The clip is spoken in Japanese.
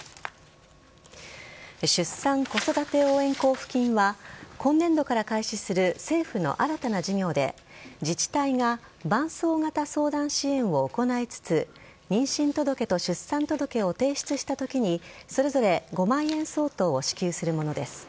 出産・子育て応援交付金は今年度から開始する政府の新たな事業で自治体が伴走型相談支援を行いつつ妊娠届と出産届を提出したときにそれぞれ５万円相当を支給するものです。